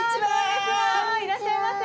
いらっしゃいませ。